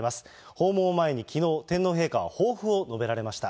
訪問を前にきのう、天皇陛下は抱負を述べられました。